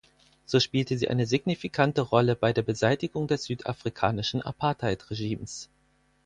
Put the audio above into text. So spielte sie eine signifikante Rolle bei der Beseitigung des südafrikanischen Apartheidregimes.